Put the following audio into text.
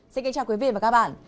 xin kính chào quý vị và các bạn